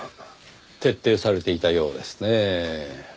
徹底されていたようですねぇ。